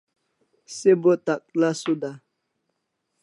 Se bo takla suda